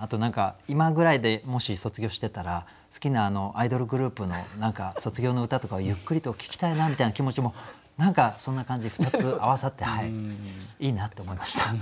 あと何か今ぐらいでもし卒業してたら好きなアイドルグループの卒業の歌とかをゆっくりと聴きたいなみたいな気持ちも何かそんな感じ２つ合わさっていいなって思いました。